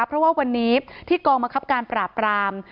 เพราะว่าวันนี้ที่กองบังคับการปราบราม